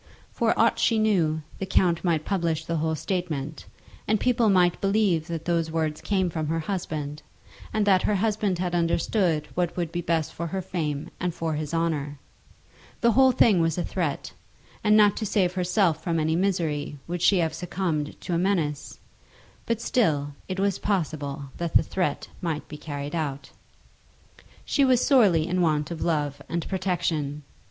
For aught she knew, the count might publish the whole statement, and people might believe that those words came from her husband, and that her husband had understood what would be best for her fame and for his honour. The whole thing was a threat, and not to save herself from any misery, would she have succumbed to a menace; but still it was possible that the threat might be carried out. She was sorely in want of love and protection.